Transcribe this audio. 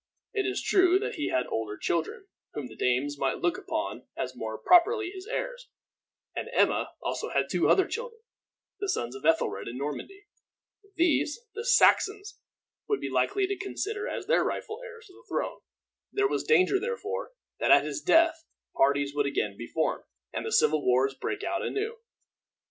It is true that he had older children, whom the Danes might look upon as more properly his heirs; and Emma had also two older children, the sons of Ethelred, in Normandy. These the Saxons would be likely to consider as the rightful heirs to the throne. There was danger, therefore, that at his death parties would again be formed, and the civil wars break out anew.